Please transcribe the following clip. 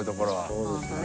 そうですね。